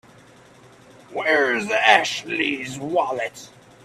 Where's Ashley's wallet?